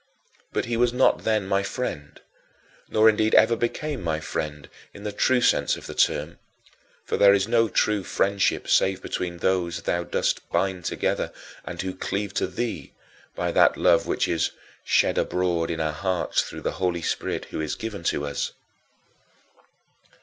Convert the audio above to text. But he was not then my friend, nor indeed ever became my friend, in the true sense of the term; for there is no true friendship save between those thou dost bind together and who cleave to thee by that love which is "shed abroad in our hearts through the Holy Spirit who is given to us."